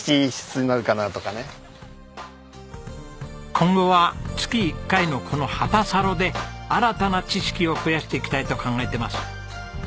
今後は月１回のこのハタサロで新たな知識を増やしていきたいと考えてます。